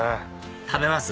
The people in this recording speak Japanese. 食べます？